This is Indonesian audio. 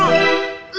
lo jangan deh